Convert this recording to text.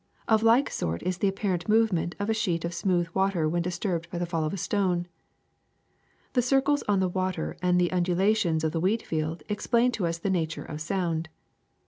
Of like sort is the apparent movement of a sheet of smooth water when disturbed by the fall of a stone. The circles on the water and the undulations of the wheat field explain to us the nature of sound.